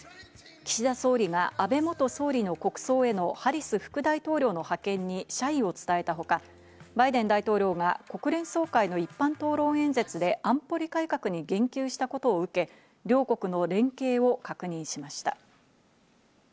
岸田総理が安倍元総理の国葬へのハリス副大統領の派遣に謝意を伝えたほか、バイデン大統領が国連総会の一般討論演説で安保理改革に言及したことを受け、両国の連携を確認しました。